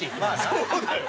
そうだよ。